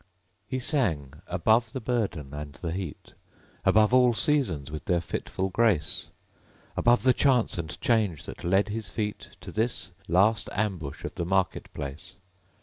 _ He sang; above the burden and the heat, Above all seasons with their fitful grace; Above the chance and change that led his feet To this last ambush of the Market place.